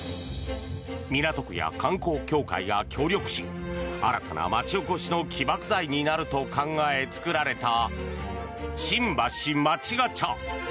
港区や観光協会が協力し新たな町おこしの起爆剤になると考え、作られた新橋街ガチャ。